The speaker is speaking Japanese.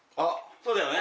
そうだよね？